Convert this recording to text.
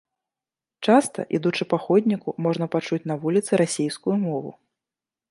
Часта, ідучы па ходніку, можна пачуць на вуліцы расейскую мову.